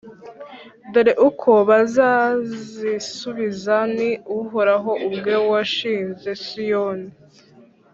Dore uko bazazisubiza: Ni Uhoraho ubwe washinze Siyoni,